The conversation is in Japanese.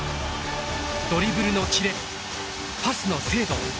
ドリブルのキレパスの精度。